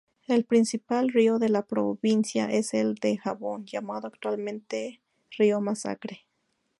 El principal río de la provincia es el Dajabón, llamado actualmente río Masacre.